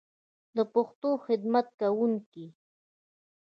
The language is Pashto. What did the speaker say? د پښتو خدمت کوونکی